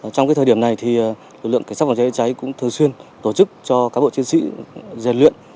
trong thời điểm này lực lượng cảnh sát phòng cháy chữa cháy cũng thường xuyên tổ chức cho các bộ chiến sĩ dàn luyện